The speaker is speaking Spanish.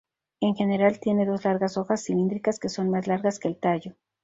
En general tiene dos largas hojas cilíndricas que son más largas que el tallo.